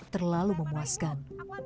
tak terlalu memuaskan